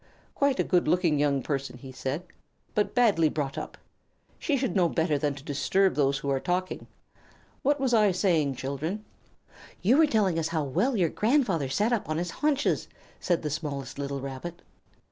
"Quite a good looking young person," he said, "but badly brought up. She should know better than to disturb those who are talking. What was I saying, children?" "You were telling how well your grandfather sat up on his haunches," said the smallest little Rabbit.